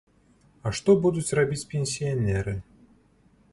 А што будуць рабіць пенсіянеры?